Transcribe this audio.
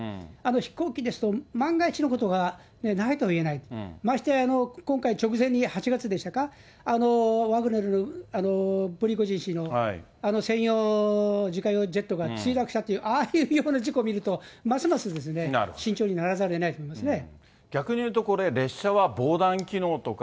飛行機ですと万が一のことがないとはいえない、ましてや今回、直前に８月でしたか、ワグネルのプリゴジン氏のあの専用自家用ジェットが墜落したという、ああいうような事故を見ると、ますます慎重にならざるをえないと思いますね。